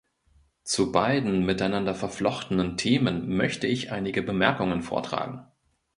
Zu beiden miteinander verflochtenen Themen möchte ich einige Bemerkungen vortragen.